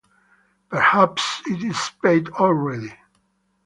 Perhaps it is paid already.